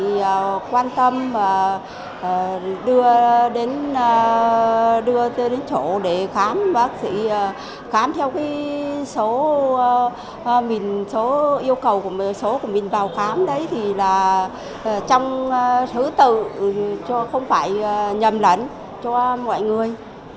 thì quan tâm đưa đến chỗ để khám bác sĩ khám theo số yêu cầu của mình vào khám đấy thì là trong thứ tự không phải nhầm lẫn cho mọi người